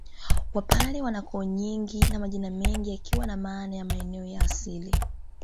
Wapare wana koo nyingi na majina mengi yakiwa na maana ya maeneo ya asili